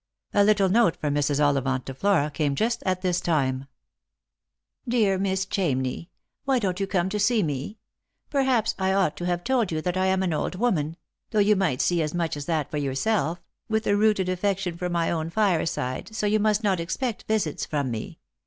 A little note from Mrs. Ollivant to Flora came just at thia time :" Dear Miss Chamney, — Why don't you come to see me P Perhaps I ought to have told you that I am an old woman — though you might see as much as that for yourself — with a rooted affection for my own fireside, so you must not expect 32 Lost for Love. visits from me.